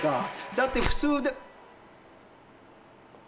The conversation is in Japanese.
だって普通で。